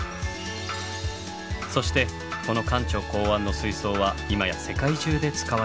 そしてこの館長考案の水槽は今や世界中で使われているのです。